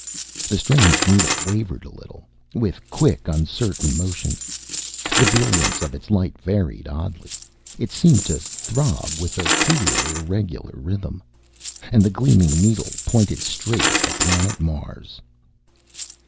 The strange needle wavered a little, with quick, uncertain motions. The brilliance of its light varied oddly; it seemed to throb with a queer, irregular rhythm. And the gleaming needle pointed straight at the planet Mars!